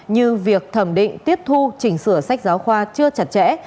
như việc thẩm định tiếp thu chỉnh sửa sách giáo khoa chưa chặt chẽ